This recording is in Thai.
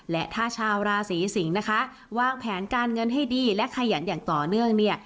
และถ้าชาวราศีสิงศ์นะคะวางแผนการเงินให้ดีและขยันอย่างต่อเนื่องเนี่ย